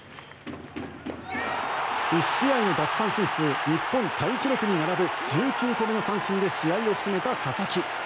１試合の奪三振数日本タイ記録に並ぶ１９個目の三振で試合を締めた佐々木。